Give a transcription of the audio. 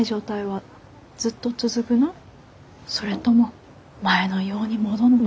それとも前のように戻んの？